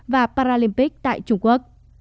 và paralympic tại trung quốc